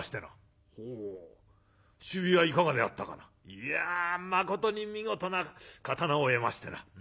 「いやまことに見事な刀を得ましてな。